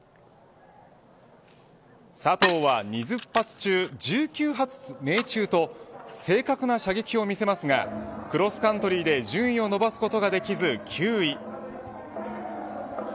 佐藤は２０発中、１９発命中と正確な射撃を見せますがクロスカントリーで順位を伸ばすことができず９位。